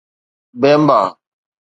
بيمبا